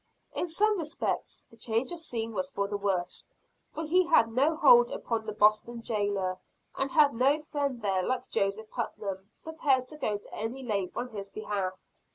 In some respects the change of scene was for the worse; for he had no hold upon the Boston jailer, and had no friend there like Joseph Putnam, prepared to go to any length on his behalf.